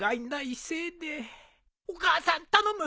お母さん頼む。